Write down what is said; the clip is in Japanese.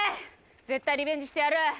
絶対リベンジしてやる！